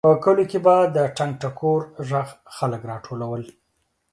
په کلیو کې به د ټنګ ټکور غږ خلک راټولول.